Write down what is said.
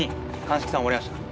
鑑識さん終わりました。